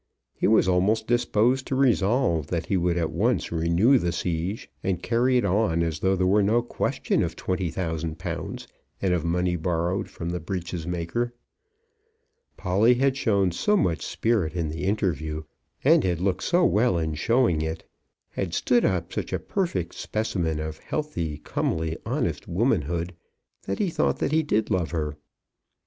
He was almost disposed to resolve that he would at once renew the siege and carry it on as though there were no question of twenty thousand pounds, and of money borrowed from the breeches maker. Polly had shown so much spirit in the interview, and had looked so well in showing it, had stood up such a perfect specimen of healthy, comely, honest womanhood, that he thought that he did love her.